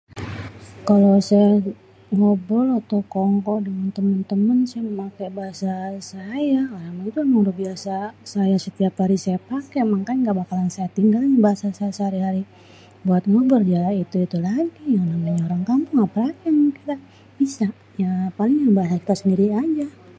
Kalau saya ngobrol atau kongko dengan temen-temen saya make bahasa saya, bahasa saya lah emang udah biasa bahasa tiap hari saya pake mangkanya saya engga bakal tinggalin bahasa saya sehari-hari buat ngobrol ya itu-itu lagi, ya namanya juga orang kampung ya ngapain ya paling bahasa kita sendri aja.